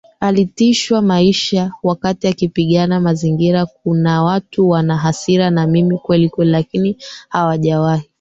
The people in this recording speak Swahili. alitishiwa maisha wakati akipigania mazingiraKuna watu wana hasira na mimi kwelikweli lakini hawajawahi